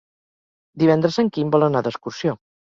Divendres en Quim vol anar d'excursió.